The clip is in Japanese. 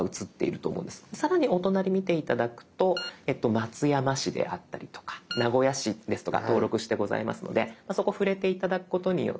さらにお隣見て頂くと松山市であったりとか名古屋市ですとか登録してございますのでそこ触れて頂くことによって。